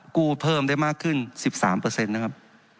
กู้เพิ่มได้มากขึ้น๑๓นะครับ